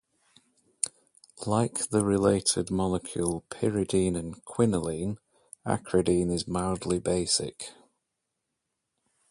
Like the related molecule pyridine and quinoline, acridine is mildly basic.